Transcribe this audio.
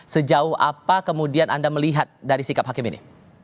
sejauh apa kemudian anda melihat dari sikap hakim ini